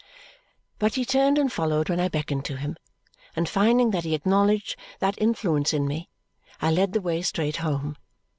But he turned and followed when I beckoned to him, and finding that he acknowledged that influence in me, I led the way straight home.